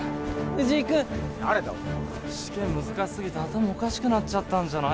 藤井君誰だお前試験難しすぎて頭おかしくなっちゃったんじゃない？